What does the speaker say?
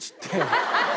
ハハハハ！